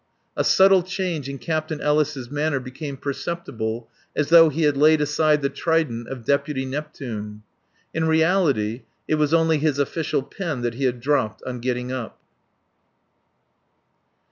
A subtle change in Captain Ellis' manner became perceptible as though he had laid aside the trident of deputy Neptune. In reality, it was only his official pen that he had dropped on getting up.